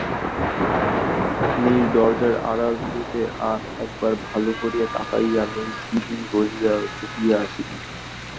নীর দরজার আড়াল হইতে আর-একবার ভালো করিয়া তাকাইয়া মেজদিদি বলিয়া ছুটিয়া আসিল।